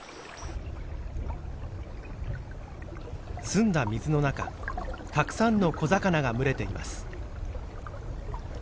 澄んだ水の中たくさんの小魚が群れています。